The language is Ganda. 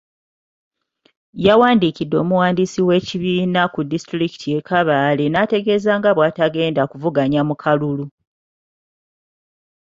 Yawandikidde Omuwandiisi w'ekibiina ku disitulikiti e Kabale n'ategeeza nga bw'atagenda kuvuganya mu kalulu.